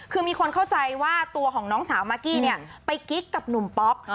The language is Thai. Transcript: คือมีคนเข้าใจว่าตัวของน้องสาวมากกี้เนี่ยไปกิ๊กกับหนุ่มป๊อก